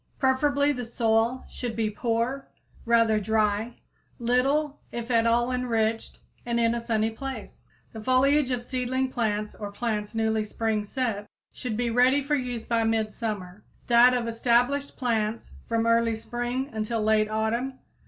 Preferably the soil should be poor, rather dry, little if at all enriched and in a sunny place. The foliage of seedling plants or plants newly spring set should be ready for use by midsummer; that of established plants from early spring until late autumn.